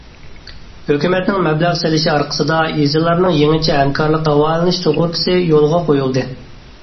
ھۆكۈمەتنىڭ مەبلەغ سېلىشى ئارقىسىدا يېزىلارنىڭ يېڭىچە ھەمكارلىق داۋالىنىش سۇغۇرتىسى يولغا قويۇلدى.